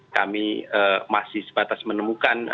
kami masih sebatas menemukan